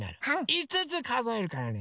５つかぞえるからね